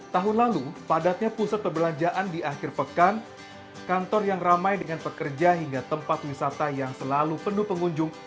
tahun lalu padatnya pusat perbelanjaan di akhir pekan kantor yang ramai dengan pekerja hingga tempat wisata yang selalu penuh pengunjung